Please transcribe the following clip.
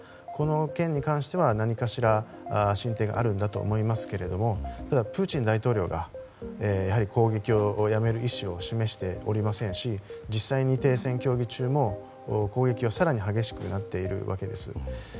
この件に関しては何かしら進展があるんだと思いますけどただプーチン大統領がやはり攻撃をやめる意思を示しておりませんし実際に停戦協議中も攻撃は更に激しくなっているわけです。